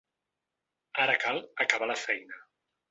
Ara cal acabar la feina.